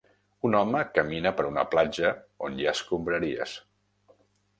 Un home camina per una platja on hi escombraries.